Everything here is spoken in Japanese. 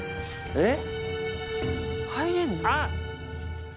えっ？